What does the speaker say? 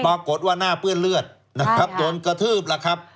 ปรากฏว่าหน้าเพื่อนเลือดโดนกทืบแล้วครับ